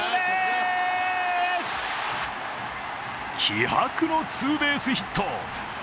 気迫のツーベースヒット。